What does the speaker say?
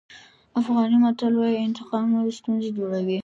افغاني متل وایي انتقام نورې ستونزې جوړوي.